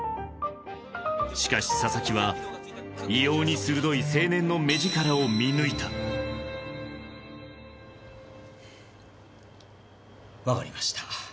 しかし佐々木は異様に鋭い青年の目力を見抜いた分かりました。